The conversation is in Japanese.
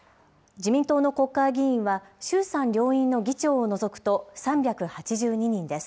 自民党の国会議員は、衆参両院の議長を除くと３８２人です。